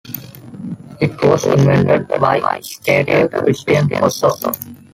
It was invented by skater Christian Hosoi.